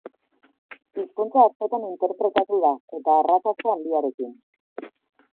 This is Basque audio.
Hizkuntza askotan interpretatu da, eta arrakasta handiarekin.